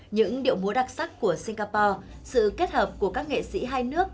những điệu múa đặc sắc của singapore sự kết hợp của các nghệ sĩ hai nước